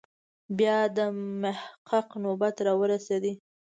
بیا د محقق نوبت راورسېد.